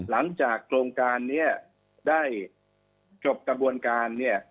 หลังจากโครงการนี้ได้จบกระบวนการเนี่ย